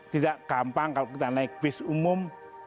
tidak gampang kalau kita naik bis umum